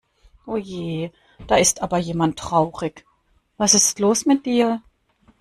Oje, da ist aber jemand traurig. Was ist los mit dir?